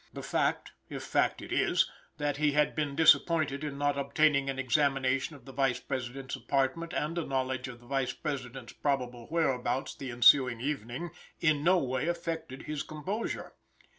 The fact, if fact it is, that he had been disappointed in not obtaining an examination of the Vice President's apartment and a knowledge of the Vice President's probable whereabouts the ensuing evening, in no way affected his composure.